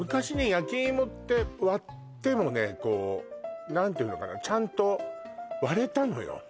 はい割ってもねこう何ていうのかなちゃんと割れたのよ